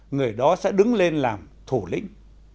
người đó sẽ đứng lên làm thủ lĩnh